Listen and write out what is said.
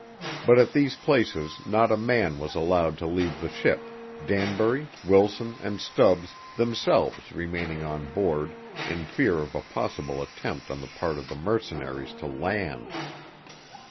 But at these places not a man was allowed to leave the ship, Danbury, Wilson, and Stubbs themselves remaining on board in fear of a possible attempt on the part of the mercenaries to land.